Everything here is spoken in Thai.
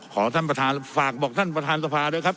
ขอท่านประธานฝากบอกท่านประธานสภาด้วยครับ